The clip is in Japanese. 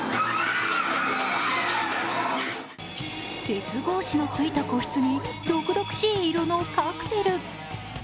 鉄格子のついた個室に毒々しい色のカクテル。